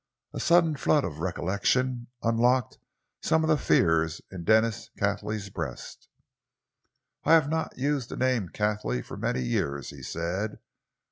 A sudden flood of recollection unlocked some of the fears in Denis Cathley's breast. "I have not used the name of Cathley for many years," he said.